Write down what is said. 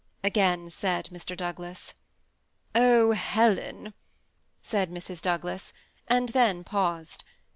" again said Mr. Douglas. ^^ Oh, Helen ?" said Mrs. Douglas, and then paused.